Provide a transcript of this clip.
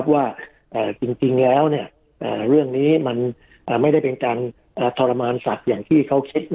ว่าจริงแล้วเรื่องนี้มันไม่ได้เป็นการทรมานสัตว์อย่างที่เขาคิด